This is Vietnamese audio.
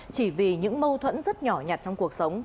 chỉ vì những mâu thuẫn rất nhỏ nhặt trong cuộc sống